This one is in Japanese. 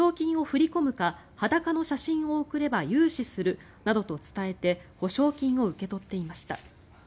振り込むか裸の写真を送れば融資するなどと伝えて保証金を受け取っていました。